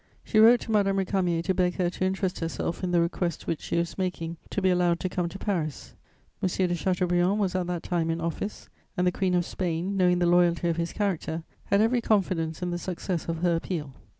She wrote to Madame Récamier to beg her to interest herself in the request which she was making to be allowed to come to Paris. M. de Chateaubriand was at that time in office, and the Queen of Spain, knowing the loyalty of his character, had every confidence in the success of her appeal.